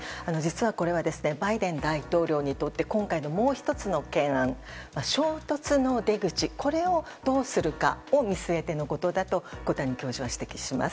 これはバイデン大統領にとってもう１つの懸案衝突の出口、これをどうするかを見据えてのことだと小谷教授は指摘します。